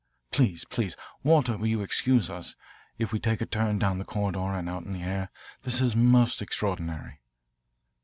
Please, please. Walter, you will excuse us if we take a turn down the corridor and out in the air. This is most extraordinary."